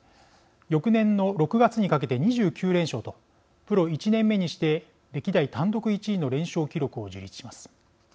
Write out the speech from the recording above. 翌年の６月にかけて２９連勝とプロ１年目にして歴代単独１位の連勝記録を樹立します。